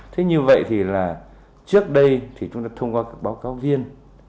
thế như vậy thì là trước đây thì chúng ta thông qua các báo cáo viên